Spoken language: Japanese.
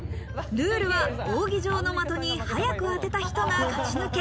ルールは扇状の的に早く当てた人が勝ち抜け。